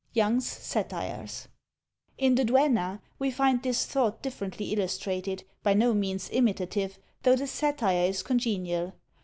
YOUNG'S Satires. In the Duenna we find this thought differently illustrated; by no means imitative, though the satire is congenial.